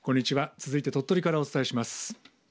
続いて鳥取からお伝えします。